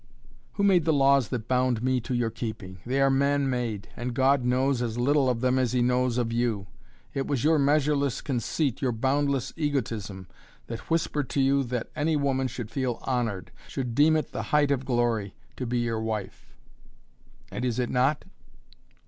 "Who made the laws that bound me to your keeping? They are man made, and God knows as little of them as he knows of you. It was your measureless conceit, your boundless egotism, that whispered to you that any woman should feel honored, should deem it the height of glory, to be your wife." "And is it not?"